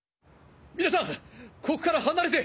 皆さんここから離れて！